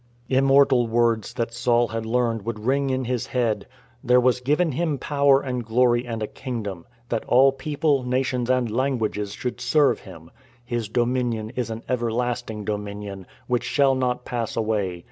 Immortal words that Saul had learned would ring in his head: " There was given him power and glory and a kingdom, That all people, nations, and languages, should serve him : His dominion is an everlasting dominion, Which shall not pass away.